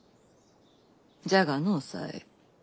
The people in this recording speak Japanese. じゃがのう紗江。